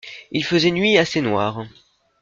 Il faisait nuit assez noire.